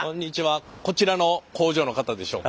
こちらの工場の方でしょうか？